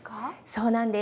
そうなんです。